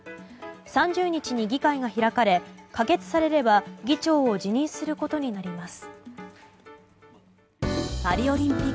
３０日に議会が開かれ可決されれば議長を辞任することになります。